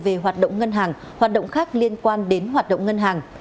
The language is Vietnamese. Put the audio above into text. về hoạt động ngân hàng hoạt động khác liên quan đến hoạt động ngân hàng